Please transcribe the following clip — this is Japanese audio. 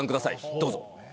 どうぞ。